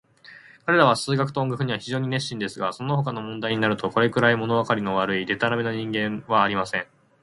彼等は数学と音楽には非常に熱心ですが、そのほかの問題になると、これくらい、ものわかりの悪い、でたらめな人間はありません。